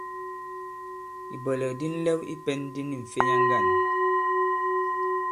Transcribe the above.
Ìbwɛ̀lɛ̀k di nlɛw i pɛ̄n di ni m̀fenya ŋgǎn.